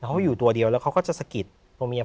เขาก็อยู่ตัวเดียวแล้วเขาก็จะสะกิดตัวเมีย